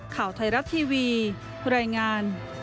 ข่าวไทยรัฐทีวีรายงาน